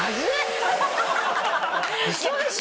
ウソでしょ？